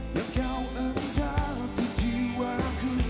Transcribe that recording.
yang kau entah tujiwaku